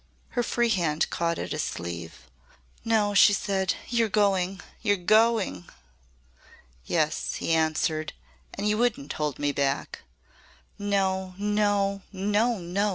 Her free hand caught at his sleeve. "No," she said. "You're going you're going!" "Yes," he answered. "And you wouldn't hold me back." "No! No! No! No!"